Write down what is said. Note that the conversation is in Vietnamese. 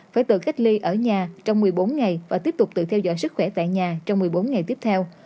phải tự cách ly ở nhà trong một mươi bốn ngày và tiếp tục tự theo dõi sức khỏe tại nhà trong một mươi bốn ngày tiếp theo